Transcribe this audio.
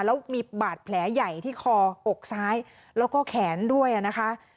แล้วมีบาดแผลใหญ่ที่คออกซ้ายแล้วก็แขนด้วยนะคะ